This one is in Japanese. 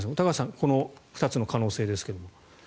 この２つの可能性ですが。